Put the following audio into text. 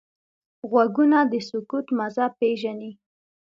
غوږونه د سکوت مزه پېژني